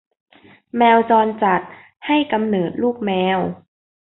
แมวจรจัดให้กำเนิดลูกแมว